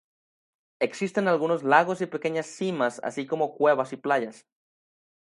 Existen algunos lagos y pequeñas cimas así como cuevas y playas.